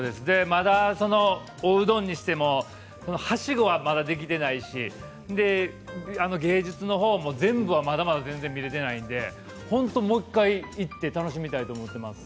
まだ、おうどんにしてもはしごは、まだできていないし芸術の方も全部はまだまだ全部見られていないので本当にもう１回行って楽しみたいと思っています。